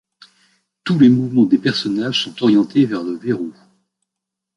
Tous les mouvements des personnages sont orientés vers le verrou.